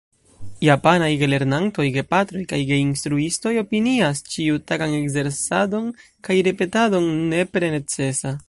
Japanaj gelernantoj, gepatroj kaj geinstruistoj opinias ĉiutagan ekzercadon kaj ripetadon nepre necesa.